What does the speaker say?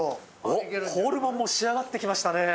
おっホルモンも仕上がって来ましたね。